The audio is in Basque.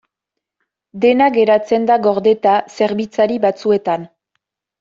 Dena geratzen da gordeta zerbitzari batzuetan.